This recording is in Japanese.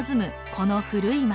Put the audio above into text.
この古い町。